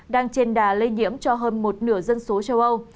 đang trên đà lây nhiễm cho hơn một nửa dân số châu âu